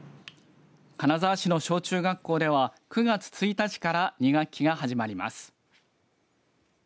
金沢市の小中学校では９月１日から２学期が始まります。